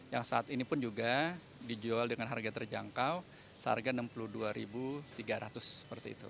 yang saat ini juga site ini dijual dengan harga terjangkau harga rp enam puluh dua tiga ratus